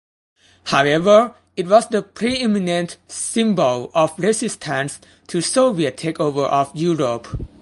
However it was the preeminent symbol of resistance to Soviet takeover of Europe.